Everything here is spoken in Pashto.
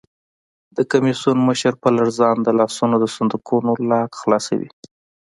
د کمېسیون مشر په لړزانه لاسونو د صندوقونو لاک خلاصوي.